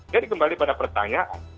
jadi kembali pada pertanyaan